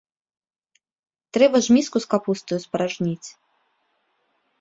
Трэба ж міску з капустаю спаражніць.